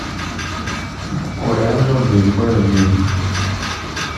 Werɛad ur d-yuwiḍ Jim?